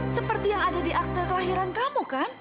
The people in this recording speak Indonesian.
seperti yang ada di akte kelahiran kamu kan